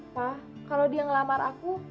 wah kalau dia ngelamar aku